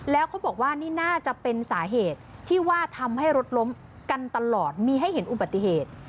แล้วเขาบอกว่านี่น่าจะเป็นสาเหตุที่ว่าทำให้รถล้มกันตลอดมีให้เห็นอุบัติเหตุ